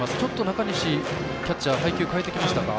中西、キャッチャー配球変えてきましたか。